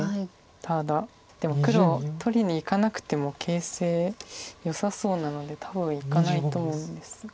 ただでも黒取りにいかなくても形勢よさそうなので多分いかないと思うんですが。